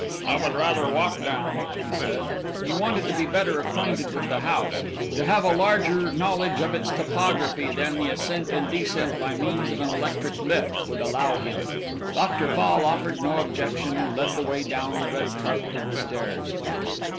"I would rather walk down," he said. He wanted to be better acquainted with this house, to have a larger knowledge of its topography than the ascent and descent by means of an electric lift would allow him. Dr. Fall offered no objection, and led the way down the red carpeted stairs.